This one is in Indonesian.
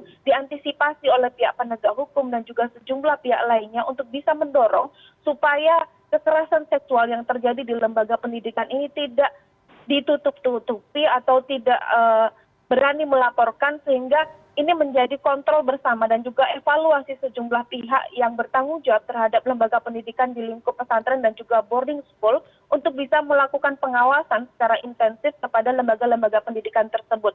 ini yang perlu diantisipasi oleh pihak penegak hukum dan juga sejumlah pihak lainnya untuk bisa mendorong supaya kekerasan seksual yang terjadi di lembaga pendidikan ini tidak ditutup tutupi atau tidak berani melaporkan sehingga ini menjadi kontrol bersama dan juga evaluasi sejumlah pihak yang bertanggung jawab terhadap lembaga pendidikan di lingkup pesantren dan juga boarding school untuk bisa melakukan pengawasan secara intensif kepada lembaga lembaga pendidikan tersebut